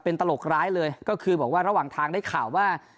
เป็นตลกร้ายเลยก็คือบอกว่าระหว่างทางได้ข่าวว่า